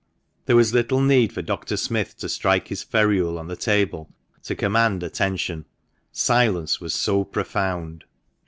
There was little need for Dr. Smith to strike his ferule on the table to command attention, silence was so profound.